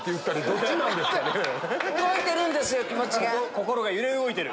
心が揺れ動いてる。